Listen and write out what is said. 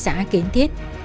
xã kiến thiết